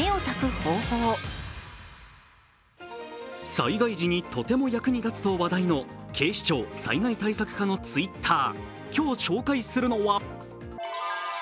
災害時にとても役に立つと話題の警視庁・災害対策課のＴｗｉｔｔｅｒ。